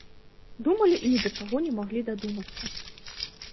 Думалі і ні да чаго не маглі дадумацца.